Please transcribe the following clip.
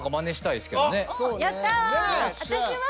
やった。